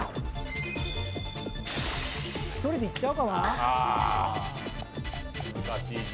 １人でいっちゃうかな。